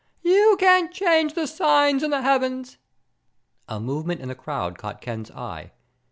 You can't change the signs in the heavens!" A movement in the crowd caught Ken's eye.